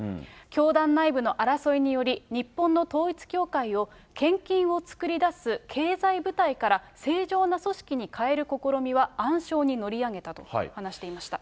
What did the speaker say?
教団内部の争いにより、日本の統一教会を献金を作り出す経済部隊から、正常な組織に変える試みは暗礁に乗り上げたと話していました。